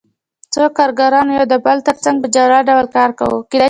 څو کارګرانو یو د بل ترڅنګ په جلا ډول کار کاوه